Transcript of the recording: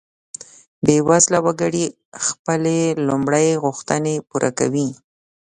بیوزله وګړي خپلې لومړۍ غوښتنې پوره کوي.